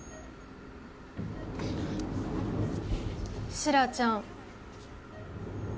シラちゃん